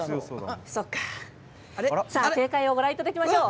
それでは正解をご覧いただきましょう。